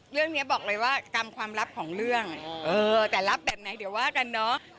เรื่องนี้บอกเลยว่ากรรมความลับของเรื่องเออแต่รับแบบไหนเดี๋ยวว่ากันเนอะ